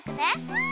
うん。